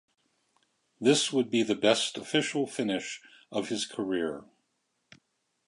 This would be the best official finish of his career.